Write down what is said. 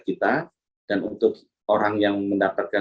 kita dan untuk orang yang mendapatkan